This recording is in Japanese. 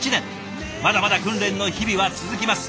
まだまだ訓練の日々は続きます。